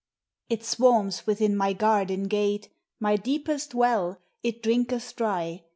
It swarms within my garden gate ; My deepest well it drinketh dry.